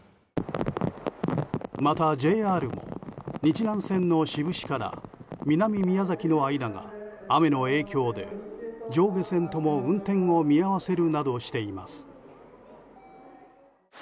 また、ＪＲも日南線の志布志から南宮崎の間が雨の影響で上下線とも運転を見合わせるなどしています。